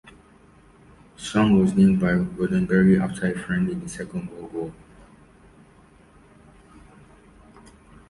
Soong was named by Roddenberry after a friend in the Second World War.